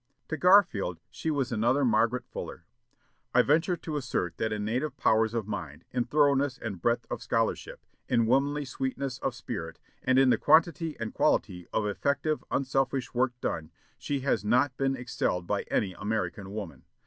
To Garfield she was another Margaret Fuller. "I venture to assert that in native powers of mind, in thoroughness and breadth of scholarship, in womanly sweetness of spirit, and in the quantity and quality of effective, unselfish work done, she has not been excelled by any American woman....